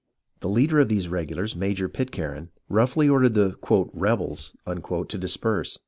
The leader of the regulars, Major Pitcairn, roughly ordered the " rebels " to disperse.